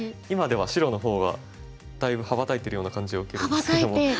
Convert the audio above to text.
今では白の方がだいぶ羽ばたいてるような感じを受けるんですけども。